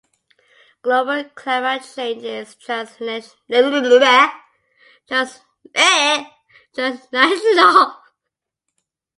Global climate change is transnational.